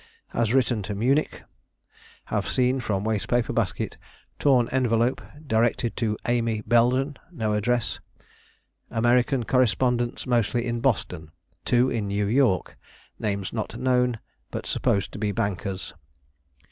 Has written to Munich. Have seen, from waste paper basket, torn envelope directed to Amy Belden, no address. American correspondents mostly in Boston; two in New York. Names not known, but supposed to be bankers.